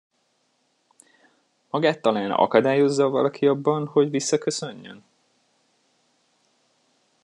Magát talán akadályozza valaki abban, hogy visszaköszönjön?